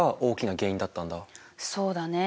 そうだね。